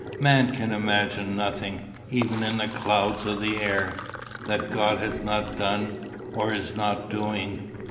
Man can imagine nothing, even in the clouds of the air, that God has not done, or is not doing.